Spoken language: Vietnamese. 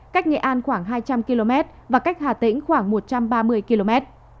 cách nghệ an khoảng hai trăm linh km và cách hà tĩnh khoảng một trăm ba mươi km